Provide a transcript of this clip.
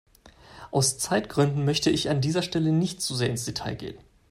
Aus Zeitgründen möchte ich an dieser Stelle nicht zu sehr ins Detail gehen.